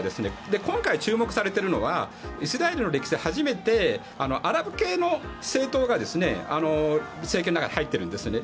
今回注目されているのはイスラエルの歴史で初めてアラブ系の政党が政権の中に入っているんですね。